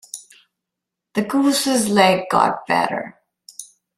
The goose's leg got better.